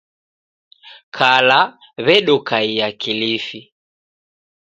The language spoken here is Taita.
Kala, w'edokaiya Kilifi